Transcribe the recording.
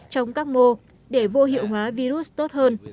trong các mô để vô hiệu hóa virus tốt hơn